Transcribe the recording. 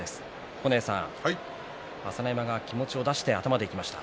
九重さん、朝乃山が気持ちを出して頭でいきました。